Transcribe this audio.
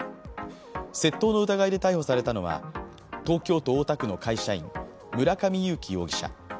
窃盗の疑いで逮捕されたのは東京都大田区の会社員村上友貴容疑者。